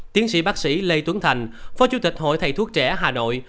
tiến sĩ bác sĩ lê tuấn thành phó chủ tịch hội thầy thuốc trẻ hà nội